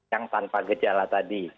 yang tanpa gejala tadi